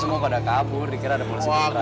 semua pada kabur dikira ada polisi juga